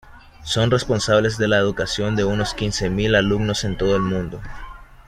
Son responsables de la educación de unos quince mil alumnos en todo el mundo.